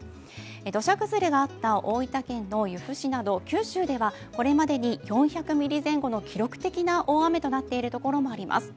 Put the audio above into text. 土砂崩れがあった大分県の由布市など九州ではこれまでに４００ミリ前後の記録的な大雨となっているところもあります。